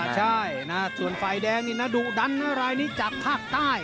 ใช่ส่วนฝ่ายแดงนี่นะดุดันนะรายนี้จากภาคใต้